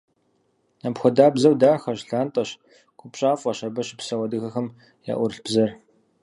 Апхуэдабзэу дахэщ, лантӀэщ, купщӀафӀэщ абы щыпсэу адыгэхэм яӀурылъ бзэр.